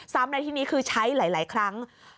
ในที่นี้คือใช้หลายครั้ง